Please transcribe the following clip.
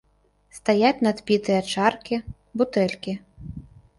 Стаяць надпітыя чаркі, бутэлькі.